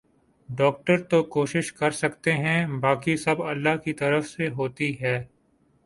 doctor تو کوشش کر سکتے ہیں باقی سب اللہ کی طرف سے ھوتی ہے